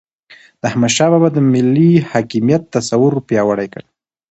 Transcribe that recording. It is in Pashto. د احمد شاه بابا د ملي حاکمیت تصور پیاوړی کړ.